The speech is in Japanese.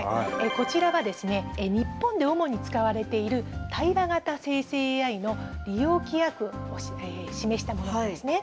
こちらは日本で主に使われている、対話型生成ＡＩの利用規約を示したものなんですね。